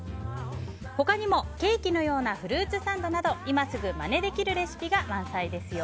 他にも、ケーキのようなフルーツサンドなど今すぐ、まねできるレシピが満載ですよ。